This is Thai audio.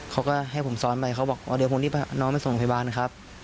เขาก็ให้ผมซ้อนไปเขาบอกอ๋อเดี๋ยวผมรีบพาน้องไปส่งโรงพยาบาลครับ